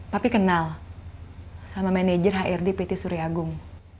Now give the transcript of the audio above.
tapi kenal sama manajer hrd pt surya agung